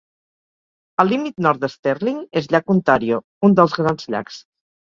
El límit nord de Sterling és Llac Ontàrio, un dels Grans Llacs.